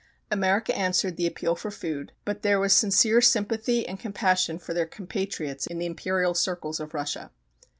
America answered the appeal for food, but their was sincere sympathy and compassion for their compatriots in the imperial circles of Russia.